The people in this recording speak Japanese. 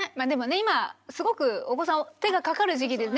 今すごくお子さん手がかかる時期でね